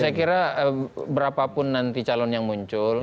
saya kira berapapun nanti calon yang muncul